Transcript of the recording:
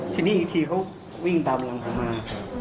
ทีนี้อีกทีเขาวิ่งตามหลังผมมา